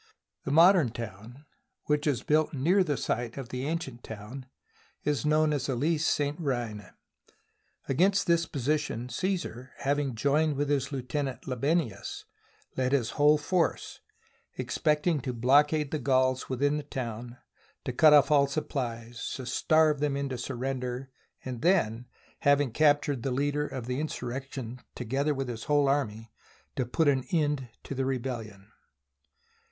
The modern town, which is built near the site of the ancient town, is known as Alise St. Heine. Against this position Caesar, having joined with his lieutenant, Labienus, led his whole force, expecting to blockade the Gauls within the town, to cut off all supplies, to starve them into surrender, and then having captured the leader of the insurrection to gether with his whole army, to put an end to the rebellion.